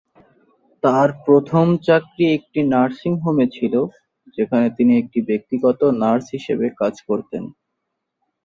তার প্রথম চাকরি একটি নার্সিং হোমে ছিল, যেখানে তিনি একটি ব্যক্তিগত নার্স হিসেবে কাজ করতেন।